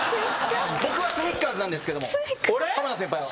僕はスニッカーズなんですけども浜田先輩は？